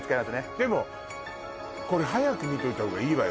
でもこれ早く見といた方がいいわよ